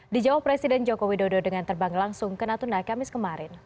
dijawab presiden joko widodo dengan terbang langsung ke natuna kamis kemarin